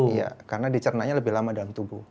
iya karena dicernanya lebih lama dalam tubuh